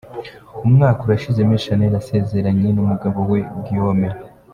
Umwaka urashize Miss Shanel asezeranye n’umugabo we Guillaume.